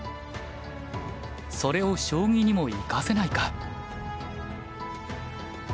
それを将棋にも生かせないか。